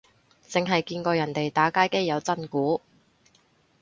剩係見過人哋打街機有真鼓